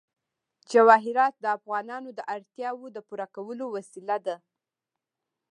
جواهرات د افغانانو د اړتیاوو د پوره کولو وسیله ده.